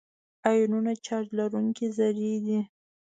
آیونونه چارج لرونکي ذرې دي.